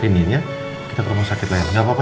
kenapa diperiksa sama sama saja